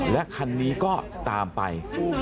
และคันนี้ก็ตามไป